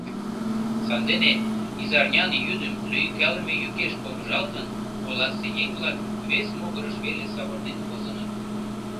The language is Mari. Сандене, изарнян йӱдым лӱйкалыме йӱкеш помыжалтын, оласе еҥ-влак вес могырыш веле савырнен возыныт.